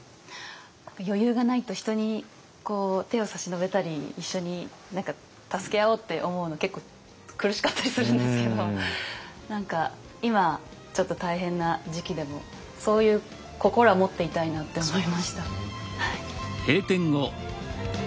余裕がないと人に手を差し伸べたり一緒に助け合おうって思うの結構苦しかったりするんですけど何か今ちょっと大変な時期でもそういう心は持っていたいなって思いました。